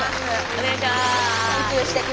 お願いします。